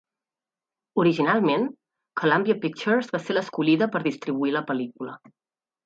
Originalment, Columbia Pictures va ser l'escollida per distribuir la pel·lícula.